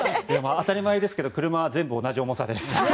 当たり前ですが車は全部同じ重さです。